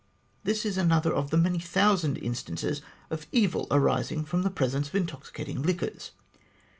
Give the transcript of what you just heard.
This is another of the many thousand instances of evil arising from the presence of intoxicating liquors.